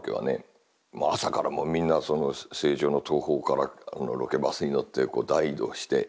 朝からもうみんなその成城の東宝からロケバスに乗ってこう大移動して。